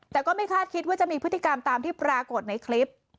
แต่ก็ไม่คาดคิดว่าจะมีพฤติกรรมตามที่ปรากฏในคลิป